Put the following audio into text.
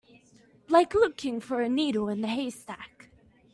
Like looking for a needle in a haystack.